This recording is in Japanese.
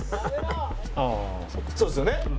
そうですよね？